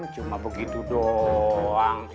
cuma begitu doang